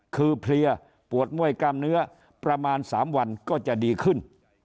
คือเพลียปวดม่วยกล้ามเนื้อประมาณ๓วันก็จะดีขึ้น